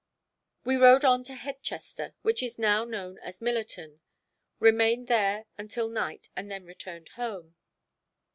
We rode on to Headchester, which is now known as Millerton, remained there until night and then returned home.